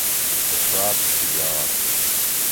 سہۤ سواۤت تھی یات